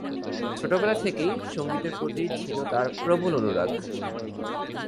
ছোটবেলা থেকেই সঙ্গীতের প্রতি ছিল তার প্রবল অনুরাগ।